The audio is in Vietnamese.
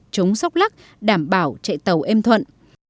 chống sóc lắc đảm bảo chạy tàu êm thuận